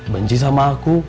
benci sama aku